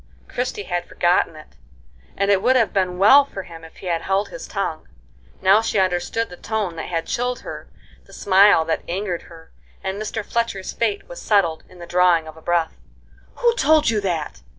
Christie had forgotten it, and it would have been well for him if he had held his tongue. Now she understood the tone that had chilled her, the smile that angered her, and Mr. Fletcher's fate was settled in the drawing of a breath. "Who told you that?"